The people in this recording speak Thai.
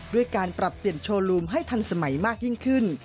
ด้วยการปรับเปลี่ยนโชว์ลูมให้ทันสมัยมากยิ่งขึ้น